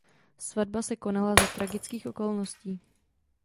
Svatba se konala za tragických okolností.